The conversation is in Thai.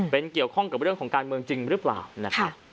เป็นเกี่ยวข้องกับเรื่องของการเมืองจริงหรือเปล่านะคะ